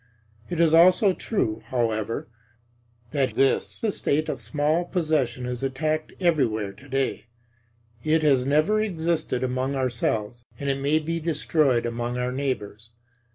It is also true, however, that this estate of small possession is attacked everywhere today; it has never existed among ourselves, and it may be destroyed among our neighbors.